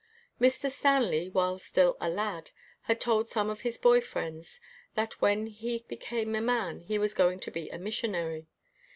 Mr. Stanley, while still a lad, had told some of his boy friends that when he be came a man he was going to be a mission ary.